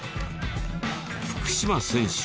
福島選手は。